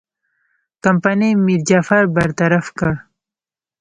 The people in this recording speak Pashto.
کمپنۍ میرجعفر برطرف کړ.